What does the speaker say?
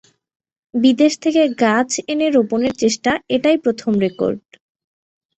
বিদেশ থেকে গাছ এনে রোপণের চেষ্টা এটাই প্রথম রেকর্ড।